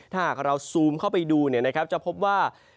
ถ้าหากเราซูมเข้าไปดูจะพบว่า